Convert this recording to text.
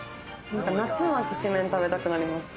なんか夏はきしめん、食べたくなります。